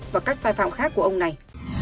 và các sai phạm khác của ông này